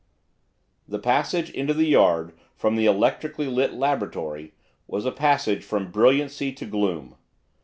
The passage into the yard from the electrically lit laboratory was a passage from brilliancy to gloom.